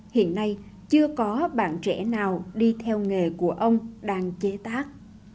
hiện nay chưa có bạn trẻ nào đi theo nghề của ông đang chế tác